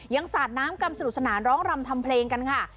สาดน้ำกันสนุกสนานร้องรำทำเพลงกันค่ะ